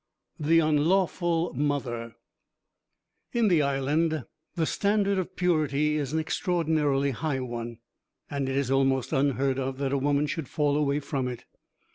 III THE UNLAWFUL MOTHER In the Island the standard of purity is an extraordinarily high one, and it is almost unheard of that a woman should fall away from it.